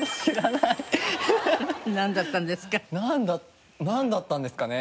なんだなんだったんですかね？